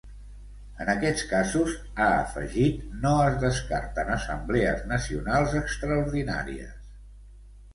En aquests casos, ha afegit, no es descarten assemblees nacionals extraordinàries.